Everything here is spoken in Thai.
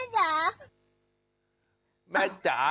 อยากกลับมาแม่จ๋า